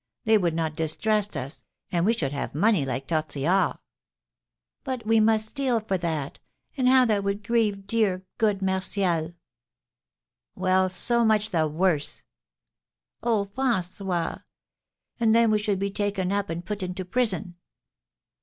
They would not distrust us, and we should have money like Tortillard." "But we must steal for that; and how that would grieve dear, good Martial!" "Well, so much the worse!" "Oh, François! And then we should be taken up and put into prison."